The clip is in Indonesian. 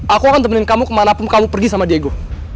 aku akan temenin kamu kemanapun kamu pergi sama diego